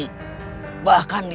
bahkan bisa menjual tanah ini